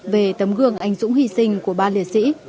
về tấm gương anh dũng hy sinh của ba liệt sĩ